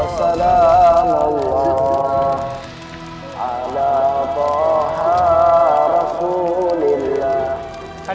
jais angara sempat keluar